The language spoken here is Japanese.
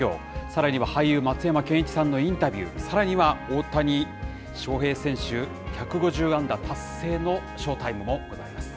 さらには俳優、松山ケンイチさんのインタビュー、さらには大谷翔平選手、１５０安打達成のショータイムもございます。